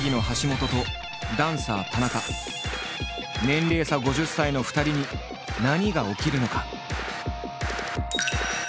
年齢差５０歳の２人に何が起きるのか。